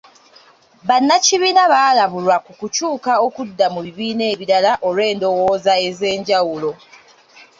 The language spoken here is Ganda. Bannakibiina baalabulwa ku kukyuka okudda mu bibiina ebirala olw'endowooza ez'enjawulo.